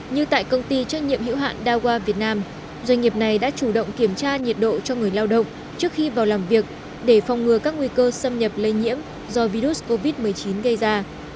như tại công ty trách nhiệm hữu hạn đa hoa việt nam doanh nghiệp này đã chủ động kiểm tra nhiệt độ cho người lao động trước khi vào làm việc để phòng ngừa các nguy cơ xâm nhập lây nhiễm do virus covid một mươi chín gây ra